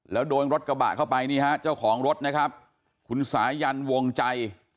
แล้วโดนรถกระบะเข้าไปนี่ฮะเจ้าของรถนะครับคุณสายันวงใจ